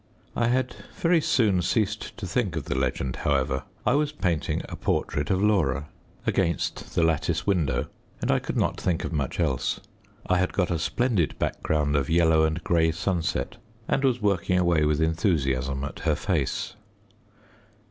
I had very soon ceased to think of the legend, however. I was painting a portrait of Laura, against the lattice window, and I could not think of much else. I had got a splendid background of yellow and grey sunset, and was working away with enthusiasm at her face.